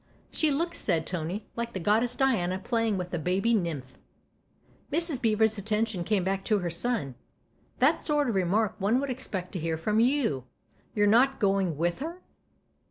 " She looks/' said Tony, " like the goddess Diana playing with a baby nymph." Mrs. Beever's attention came back to her son. " That's the sort of remark one would expect to hear from you ! You're not going with her